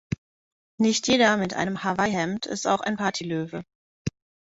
Nicht jeder mit einem Hawaiihemd ist auch ein Partylöwe.